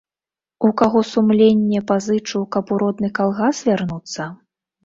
У каго сумленне пазычу, каб у родны калгас вярнуцца?